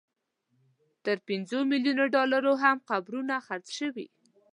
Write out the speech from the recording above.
تر پنځو ملیونو ډالرو هم قبرونه خرڅ شوي.